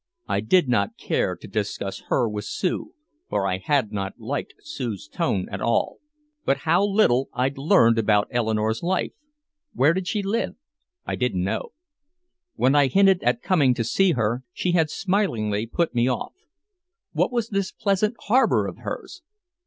I did not care to discuss her with Sue, for I had not liked Sue's tone at all. But how little I'd learned about Eleanor's life. Where did she live? I didn't know. When I had hinted at coming to see her she had smilingly put me off. What was this pleasant harbor of hers?